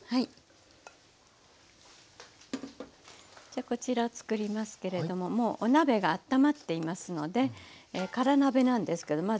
じゃこちらを作りますけれどももうお鍋があったまっていますので空鍋なんですけどまず熱くしてここに油を入れます。